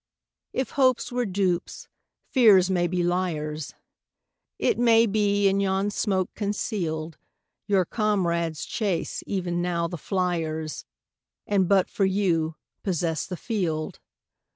If hopes were dupes, fears may be liars; It may be, in yon smoke conceal'd, Your comrades chase e'en now the fliers, And, but for you, possess the field.